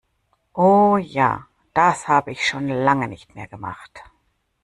Oh ja, das habe ich schon lange nicht mehr gemacht!